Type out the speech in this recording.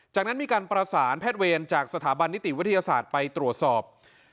จากนั้นมีการประสานแพทย์เวรจากสถาบันนิติวิทยาศาสตร์ไปตรวจสอบ